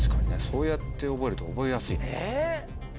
そうやって覚えると覚えやすいのか。